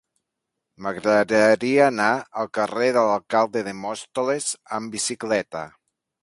M'agradaria anar al carrer de l'Alcalde de Móstoles amb bicicleta.